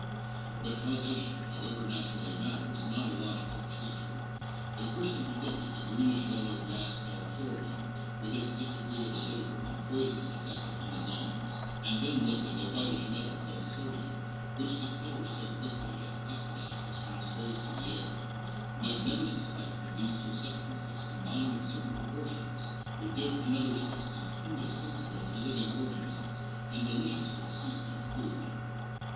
But causation, however natural a matter, is not a logical procedure. A person who looked at the greenish yellow gas called chlorin with its disagreeable odor and poisonous effect upon the lungs and then looked at the whitish metal called sodium which discolors so quickly as it oxidizes when exposed to the air, might never suspect that those two substances, combined in certain proportions, would give another substance indispensable to living organisms and delicious for the seasoning of food.